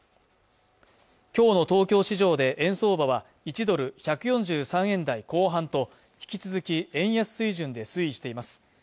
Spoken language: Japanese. きょうの東京市場で円相場は１ドル＝１４３円台後半と引き続き円安水準で推移しています